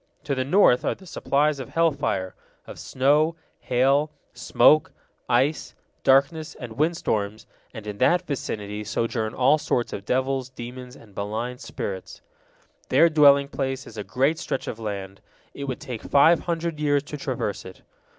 To the north are the supplies of hell fire, of snow, hail, smoke, ice, darkness, and windstorms, and in that vicinity sojourn all sorts of devils, demons, and malign spirits. Their dwelling place is a great stretch of land, it would take five hundred years to traverse it.